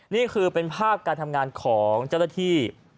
นี่คือเป็นภาพการทำงานของเจ้าหน้าที่